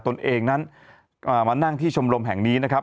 ตนเองนั้นมานั่งที่ชมรมแห่งนี้นะครับ